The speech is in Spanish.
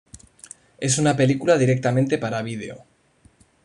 Es una película directamente para video.